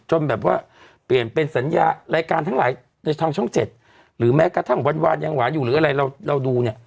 แบบว่าเปลี่ยนเป็นสัญญารายการทั้งหลายในทางช่องเจ็ดหรือแม้กระทั่งวันยังหวานอยู่หรืออะไรเราเราดูเนี่ย